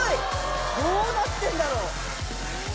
どうなってんだろう？